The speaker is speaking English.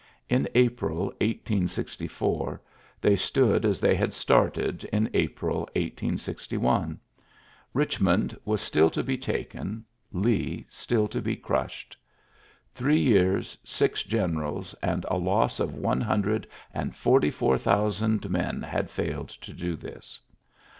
In April, 1864^ they stood as they had started in April, 1861. Bichmond was still to be taken, Lee still to be crushed. Three year^ six generals, and a loss of one hundred and forty four thousand men had £Edled to do this.